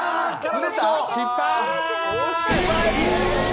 失敗！